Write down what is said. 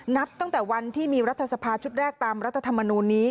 นับตั้งแต่วันที่มีรัฐสภาชุดแรกตามรัฐธรรมนูลนี้